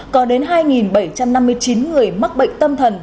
có đến hai bảy trăm năm mươi chín người mắc bệnh tâm thần